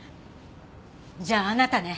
じゃああなたね？